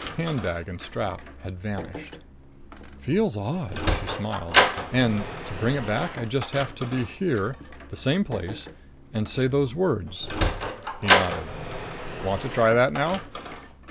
Handbag and strap had vanished. "Feels odd!" She smiled. "And to bring it back, I just have to be here the same place and say those words." He nodded. "Want to try that now?"